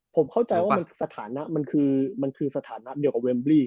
ผมเข้าใจว่ามันคือสถานะเดียวกับเว็มบรี